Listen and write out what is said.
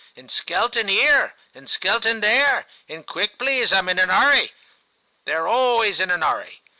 and Skelton, 'ere," and "Skelton, there," and "Quick, please, I'm in a 'urry,'* — they're always in a 'urry.